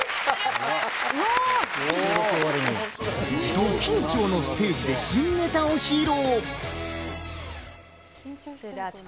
ど緊張のステージで新ネタを披露！